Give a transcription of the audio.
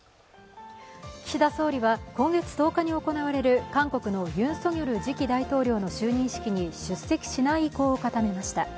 岸田総理は今月１０日に行われる韓国のユン・ソギョル次期大統領の就任式に出席しない意向を固めました。